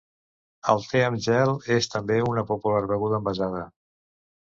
El te amb gel és també una popular beguda envasada.